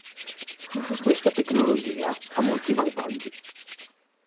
Questa tecnologia ha molti vantaggi.